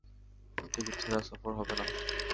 Ticket ছাড়া সফর হবে না।